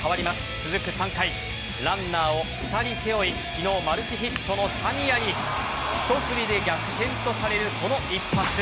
続く３回ランナーを２人背負い昨日、マルチヒットの田宮にひと振りで逆転とされるこの一発。